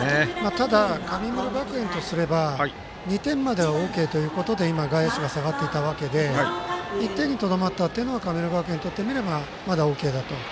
ただ、神村学園とすれば２点まではＯＫということで外野手が下がっていたわけで１点にとどまったのは神村学園からするとＯＫだと。